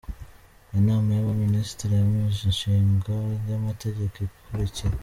Inama y’Abaminisitiri yemeje Imishinga y’Amategeko ikurikira: